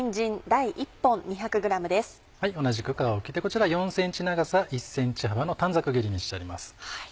同じく皮を切ってこちら４ｃｍ長さ１ｃｍ幅の短冊切りにしてあります。